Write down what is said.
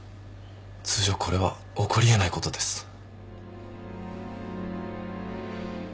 通常これは起こり得ないことです。